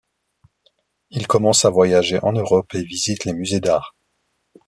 Il commence à voyager en Europe et visite les musées d'art.